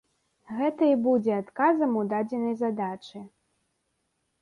Гэта і будзе адказам у дадзенай задачы.